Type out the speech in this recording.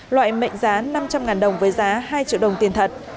loại mệnh giá năm trăm linh đồng với giá hai triệu đồng tiền thật